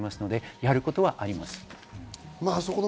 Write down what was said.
やることはあります。